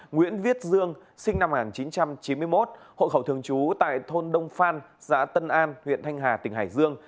nguyễn viết dương sinh năm một nghìn chín trăm chín mươi một hộ khẩu thường trú tại thôn đông phan xã tân an huyện thanh hà tỉnh hải dương